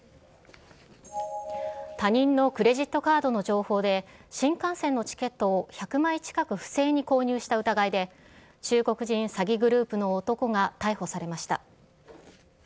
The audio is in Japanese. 他人のクレジットカードの情報で、新幹線のチケットを１００枚近く不正に購入した疑いで、中国人詐欺グループの男が逮捕されました。